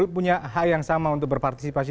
punya hak yang sama untuk berpartisipasi